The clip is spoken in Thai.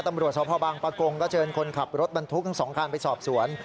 ตำรวจชาวพ่อบางประกงก็เจินคนขับรถบรรทุกทั้งสองการไปสอบสวน